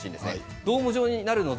ドーム状になりますので